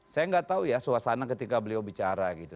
saya nggak tahu ya suasana ketika beliau bicara gitu